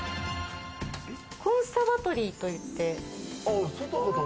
コンサバトリーといって。